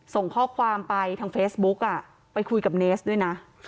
ส่งข้อความไปทางเฟซบุ๊กไปคุยกับเนสด้วยนะ